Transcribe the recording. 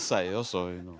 そういうの。